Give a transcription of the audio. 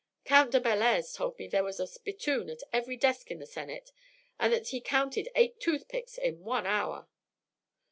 "Count de Bellairs told me that there was a spittoon at every desk in the Senate and that he counted eight toothpicks in one hour."